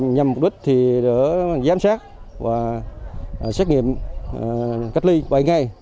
nhân mục đích là giám sát và xét nghiệm cách ly bảy ngày